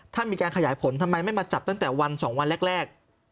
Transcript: มีการขยายผลทำไมไม่มาจับตั้งแต่วัน๒วันแรก